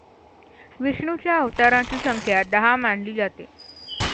विष्णूच्या अवतारांची संख्या दहा मानली जाते.